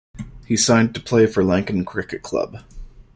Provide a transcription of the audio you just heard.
He signed to play for Lankan Cricket Club.